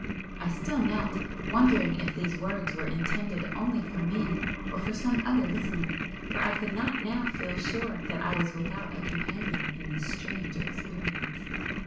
I still knelt, wondering if these words were intended only for me or for some other listener, for I could not now feel sure that I was without a companion in this strange experience.